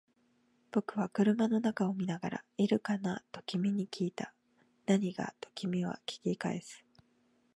僕は車の中を見ながら、いるかな？と君に訊いた。何が？と君は訊き返す。